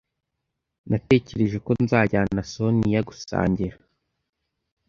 Natekereje ko nzajyana Soniya gusangira.